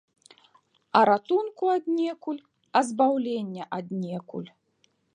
А ратунку аднекуль, а збаўлення аднекуль.